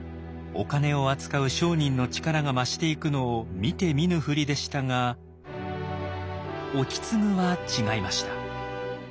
お金を扱う商人の力が増していくのを見て見ぬふりでしたが意次は違いました。